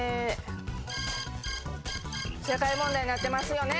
社会問題なってますよね。